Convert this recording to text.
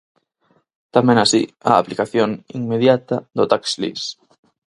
Tamén así, a aplicación "inmediata" do Tax Lease.